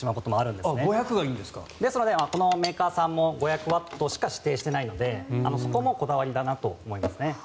ですのでメーカーさんも５００ワットしか指定してないのでそこもこだわりだなと思いますね。